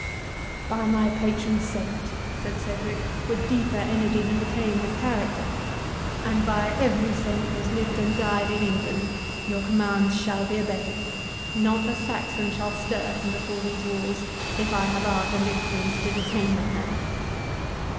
"By my patron saint," said Cedric, with deeper energy than became his character, "and by every saint who has lived and died in England, your commands shall be obeyed! Not a Saxon shall stir from before these walls, if I have art and influence to detain them there."